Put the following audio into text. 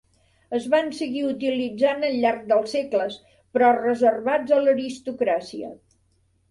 Es van seguir utilitzant al llarg dels segles però reservats a l'aristocràcia.